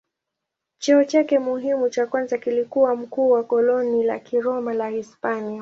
Cheo chake muhimu cha kwanza kilikuwa mkuu wa koloni la Kiroma la Hispania.